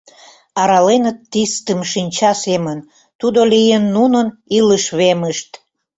Араленыт тистым шинча семын, тудо лийын нунын илыш вемышт.